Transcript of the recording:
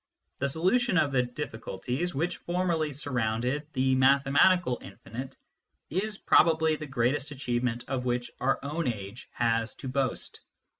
The solution of the difficulties which formerly surrounded the mathematical infinite is probably the greatest achievement of which our own age has to boast.